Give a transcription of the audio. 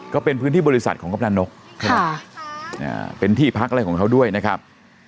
ก็เป็นพื้นที่บริษัทของกำลังนกใช่ไหมเป็นที่พักอะไรของเขาด้วยนะครับ